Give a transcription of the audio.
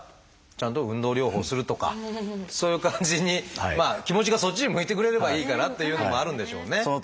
ちゃんと運動療法をするとかそういう感じにまあ気持ちがそっちに向いてくれればいいかなっていうのもあるんでしょうね。